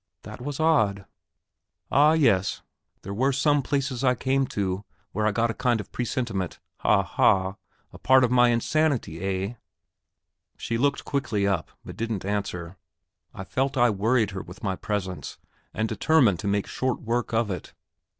"That was odd." "Ah, yes; there were some places I came to where I got a kind of presentiment. Ha, ha! a part of my insanity, eh?" She looked quickly up, but didn't answer. I felt I worried her with my presence, and determined to make short work of it.